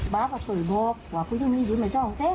บ๊าวเคยบอกว่าผู้ยิ่งนี้อยู่ในช่องเซ้น